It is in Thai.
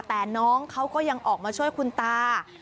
แต่น้องเขาก็ยังออกมาช่วยคุณตา